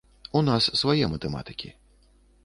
У нас свае матэматыкі.